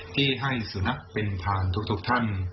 ที่ให้สุนัขเป็นผ่านทุกท่าน